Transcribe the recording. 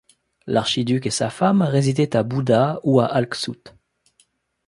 L'archiduc et sa femme résidaient à Buda ou à Alcsut.